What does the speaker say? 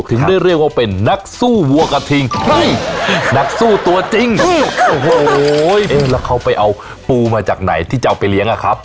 ถึงได้เรียกว่าเป็นนักสู้วัวกระทิงนักสู้ตัวจริงโอ้โหแล้วเขาไปเอาปูมาจากไหนที่จะเอาไปเลี้ยงอะครับ